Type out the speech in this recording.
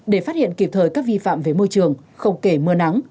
để phát hiện kịp thời các vi phạm về môi trường không kể mưa nắng